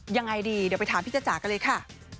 ยังไงดีเดี๋ยวไปถามพี่จ้าจ๋ากันเลยค่ะ